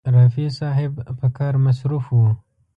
رفیع صاحب په کار مصروف و.